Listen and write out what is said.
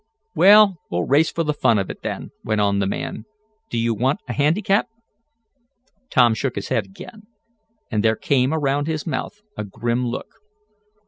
"Well, we'll race for the fun of it then," went on the man. "Do you want a handicap?" Tom shook his head again, and there came around his mouth a grim look.